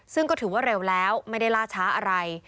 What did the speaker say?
ซึ่งก็ถือว่าเร็วแล้วไม่ได้ล่าช้าอะไร